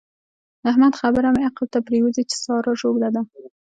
د احمد خبره مې عقل ته پرېوزي چې سارا ژوبله ده.